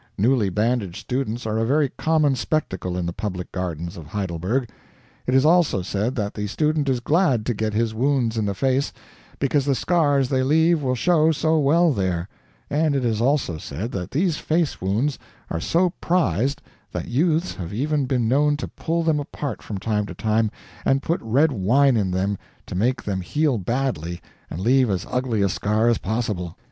Newly bandaged students are a very common spectacle in the public gardens of Heidelberg. It is also said that the student is glad to get wounds in the face, because the scars they leave will show so well there; and it is also said that these face wounds are so prized that youths have even been known to pull them apart from time to time and put red wine in them to make them heal badly and leave as ugly a scar as possible.